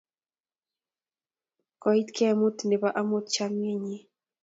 koit kemout nebo amut chamiyet nyin